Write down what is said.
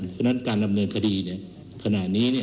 เพราะฉะนั้นการดำเนินคดีขณะนี้